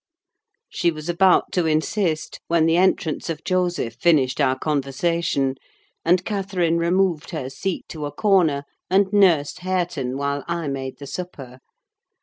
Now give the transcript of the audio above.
She was about to insist, when the entrance of Joseph finished our conversation; and Catherine removed her seat to a corner, and nursed Hareton, while I made the supper.